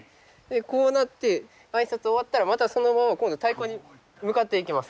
こうなって挨拶終わったらまたそのまま今度太鼓に向かっていきます。